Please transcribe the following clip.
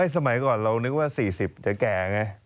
สมัยก่อนเรานึกว่า๔๐จะแก่ไง